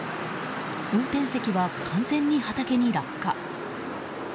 運転席は、完全に畑に落下。